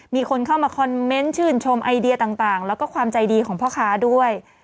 มีคนเข้ามาคอมเมนต์ชื่นชมไอเดียต่างแล้วก็ความใจดีของพ่อค้าด้วย